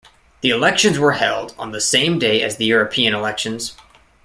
The elections were held on the same day as the European elections.